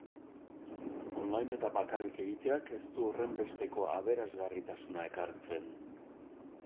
Online eta bakarrik egiteak ez du horrenbesteko aberasgarritasuna ekartzen.